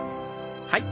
はい。